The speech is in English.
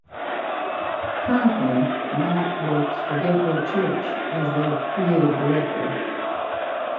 Currently, Matt works for Gateway Church as their Creative Director.